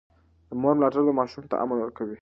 د مور ملاتړ ماشوم ته امن ورکوي.